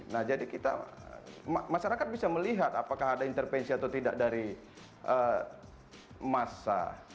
nah jadi kita masyarakat bisa melihat apakah ada intervensi atau tidak dari masa